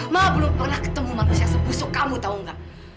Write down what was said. mak belum pernah ketemu manusia sebusuk kamu tau gak